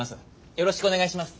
よろしくお願いします。